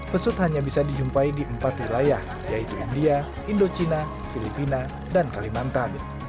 pesut hanya bisa dijumpai di empat wilayah yaitu india indochina filipina dan kalimantan